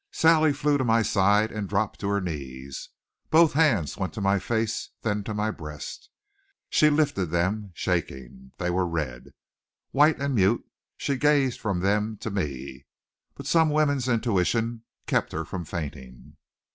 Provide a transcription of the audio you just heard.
Sally flew to my side and dropped to her knees. Both hands went to my face, then to my breast. She lifted them, shaking. They were red. White and mute she gazed from them to me. But some woman's intuition kept her from fainting.